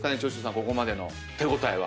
ここまでの手応えは。